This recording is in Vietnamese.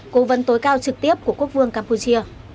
cố vấn tối cao trực tiếp của quốc vương campuchia